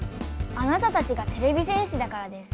あなたたちがてれび戦士だからです。